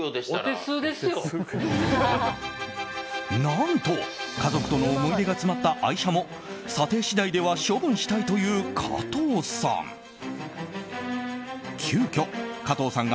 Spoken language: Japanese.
何と、家族との思い出が詰まった愛車も査定次第では処分したいという加藤さん。